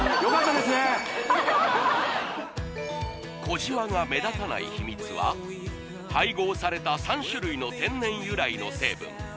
小じわが目立たない秘密は配合された３種類の天然由来の成分